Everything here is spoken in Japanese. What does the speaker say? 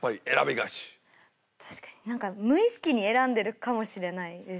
たしかになんか無意識に選んでるかもしれないです